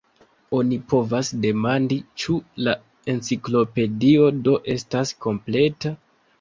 Oni povas demandi, ĉu la Enciklopedio do estas kompleta?